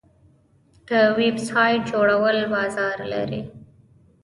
د ویب سایټ جوړول بازار لري؟